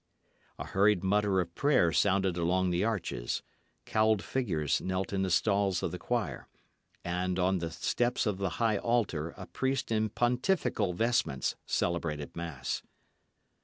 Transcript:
A hurried mutter of prayer sounded along the arches; cowled figures knelt in the stalls of the choir, and on the steps of the high altar a priest in pontifical vestments celebrated mass.